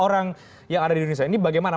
orang yang ada di indonesia ini bagaimana